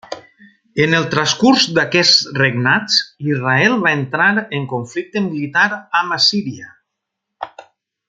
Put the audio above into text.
En el transcurs d'aquests regnats, Israel va entrar en conflicte militar amb Assíria.